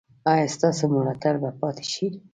ایا ستاسو ملاتړ به پاتې شي؟